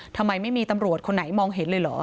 ทำไมไม่มีตำรวจคนไหนมองเห็นเลยเหรอ